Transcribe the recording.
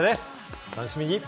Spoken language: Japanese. お楽しみに！